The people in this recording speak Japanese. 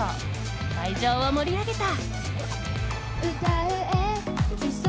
会場を盛り上げた。